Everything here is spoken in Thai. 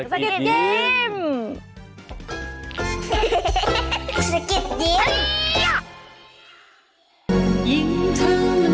สกิดยิ้ม